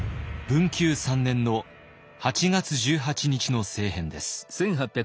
文久３年の八月十八日の政変です。